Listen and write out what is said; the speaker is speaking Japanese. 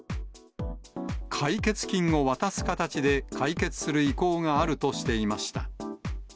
解決金を渡す形で解決する意向があるとしていました。